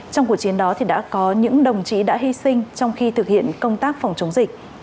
trong cuộc chiến đó đã có những đồng chí đã hy sinh trong khi thực hiện công tác phòng chống dịch